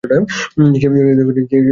কেমন আছেন পিতামহ?